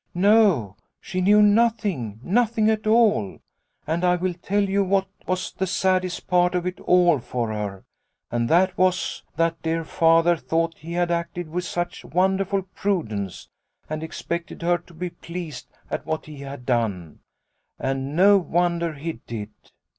" No, she knew nothing nothing at all. And I will tell you what was the saddest part of it all for her, and that was that dear Father thought he had acted with such wonderful prudence, and expected her to be pleased at what he had done. And no wonder he did.